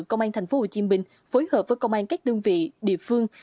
công an thành phố hồ chí minh phối hợp với công an các đơn vị địa phương